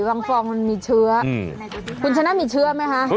ไข่บางฟองมีเชื้อคุณชนะมีเชื้อไหมค่ะ